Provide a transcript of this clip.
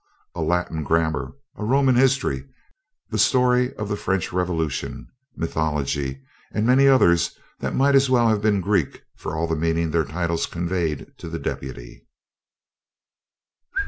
A Latin grammar, a Roman history, the "Story of the French Revolution," mythology, and many others that might as well have been Greek for all the meaning their titles conveyed to the deputy.